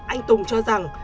anh tùng cho rằng